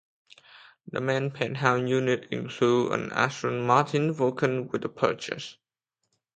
The main penthouse unit includes an Aston Martin Vulcan with purchase.